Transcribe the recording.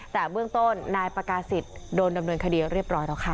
แต่เบื้องต้นนายปากาศิษย์โดนดำเนินคดีเรียบร้อยแล้วค่ะ